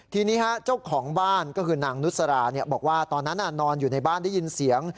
ทีนี้เจ้าของบ้านก็คือนางนุษราบอกว่าตอนนั้นนอนอยู่ในบ้านได้ยินเสียง